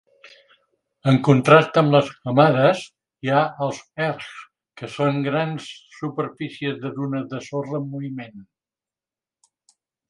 En contrast amb les "hamadas" hi ha els "ergs", que són grans superfícies de dunes de sorra en moviment.